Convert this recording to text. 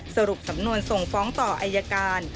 สรุปสำนวนส่งฟ้องต่ออายการ